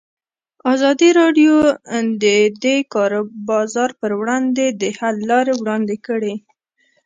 ازادي راډیو د د کار بازار پر وړاندې د حل لارې وړاندې کړي.